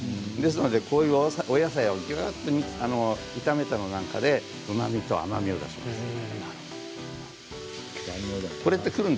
ですのでこういうお野菜をギュッと炒めたものなんかでうまみと甘みを足します。